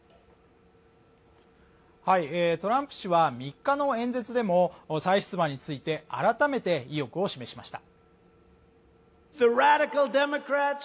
トランプ氏は３日の演説でも再出馬について改めて意欲を示しました。